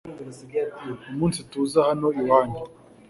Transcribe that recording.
umunsi tuza hano iwanyu